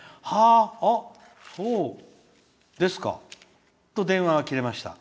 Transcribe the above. あ、そうですかと電話が切れました」。